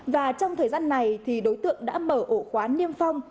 và trong thời gian này đối tượng đã mở ổ quán niêm phong